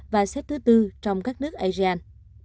và xếp thứ bốn trong các nước asean